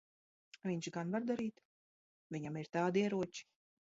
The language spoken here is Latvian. Viņš var gan darīt. Viņam ir tādi ieroči.